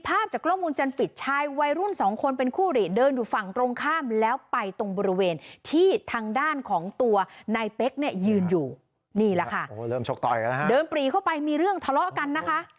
โอ้โหเริ่มชกต่อยกันนะฮะเดินปลีเข้าไปมีเรื่องทะเลาะกันนะคะ